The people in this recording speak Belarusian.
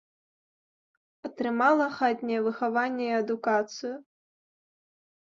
Атрымала хатняе выхаванне і адукацыю.